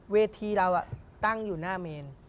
เวทีเราตั้งอยู่หน้าเมน